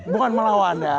bukan melawan ya